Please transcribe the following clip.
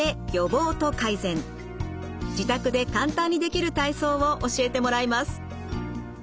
自宅で簡単にできる体操を教えてもらいます。